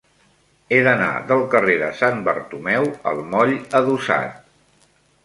He d'anar del carrer de Sant Bartomeu al moll Adossat.